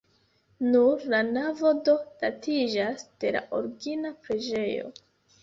Nur la navo do datiĝas de la origina preĝejo.